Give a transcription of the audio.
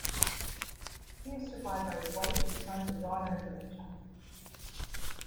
He is survived by his wife, two sons, a daughter and grandchild.